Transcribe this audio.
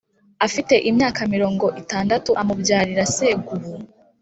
afite imyaka mirongo itandatu amubyarira Segubu